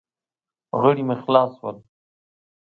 غړي مې خلاص شول.